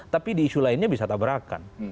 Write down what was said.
tapi di isu lainnya bisa tabrakan